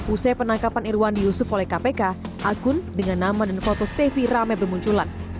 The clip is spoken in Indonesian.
usai penangkapan irwandi yusuf oleh kpk akun dengan nama dan foto stefi rame bermunculan